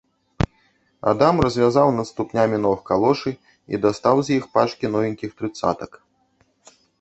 Адам развязаў над ступнямі ног калошы і дастаў з іх пачкі новенькіх трыццатак.